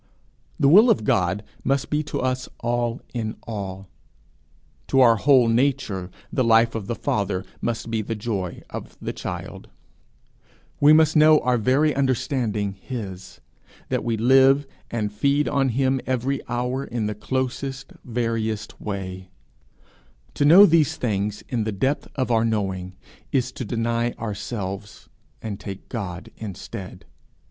The will of God must be to us all in all; to our whole nature the life of the Father must be the joy of the child; we must know our very understanding his that we live and feed on him every hour in the closest, veriest way: to know these things in the depth of our knowing, is to deny ourselves, and take God instead.